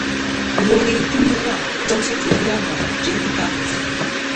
Wulwi timi ɨ̀lvɨ-a njoŋsɨ chwò bula mo' jæ tɨ ka wu bvɨ.